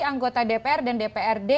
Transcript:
anggota dpr dan dprd